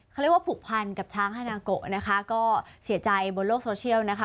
เขาเรียกว่าผูกพันกับช้างฮานาโกะนะคะก็เสียใจบนโลกโซเชียลนะคะ